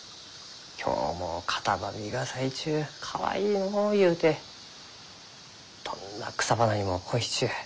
今日もカタバミが咲いちゅうかわいいのうゆうてどんな草花にも恋しちゅう。